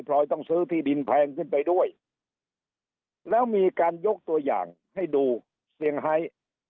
รอยต้องซื้อที่ดินแพงขึ้นไปด้วยแล้วมีการยกตัวอย่างให้ดูเสียงไฮ